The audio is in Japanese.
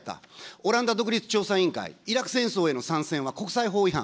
オランダ独立調査委員会、イラク戦争への参戦は国際法違反。